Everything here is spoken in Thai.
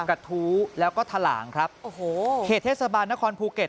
กระทู้แล้วก็ถลางครับโอ้โหเขตเทศบาลนครภูเก็ต